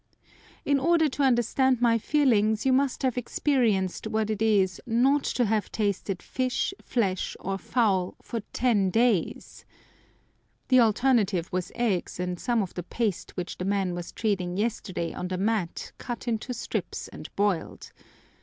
In order to understand my feelings you must have experienced what it is not to have tasted fish, flesh, or fowl, for ten days! The alternative was eggs and some of the paste which the man was treading yesterday on the mat cut into strips and boiled!